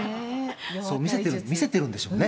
そう見せてるんでしょうね。